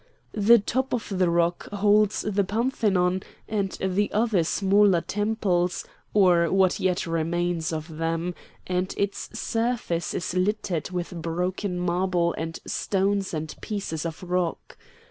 The top of the rock holds the Parthenon and the other smaller temples, or what yet remains of them, and its surface is littered with broken marble and stones and pieces of rock.